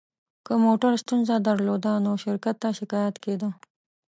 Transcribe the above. که موټر ستونزه درلوده، نو شرکت ته شکایت کېده.